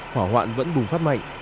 hỏa hoạn vẫn bùng phát mạnh